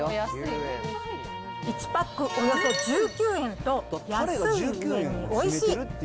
およそ１９円と、安いうえにおいしい。